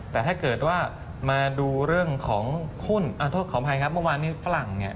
แต่ถ้าเกิดว่ามาดูเรื่องของหุ้นขออภัยครับเมื่อวานนี้ฝรั่งเนี่ย